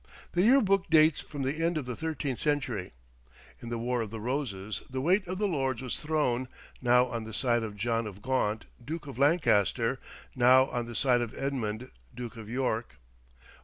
The "Year Book" dates from the end of the thirteenth century. In the War of the Roses the weight of the Lords was thrown, now on the side of John of Gaunt, Duke of Lancaster, now on the side of Edmund, Duke of York.